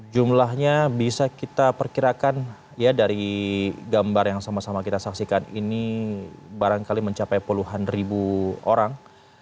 jumlahnya bisa kita perkirakan ya dari gambar yang sama sama kita saksikan ini barangkali mencapai puluhan ribu orang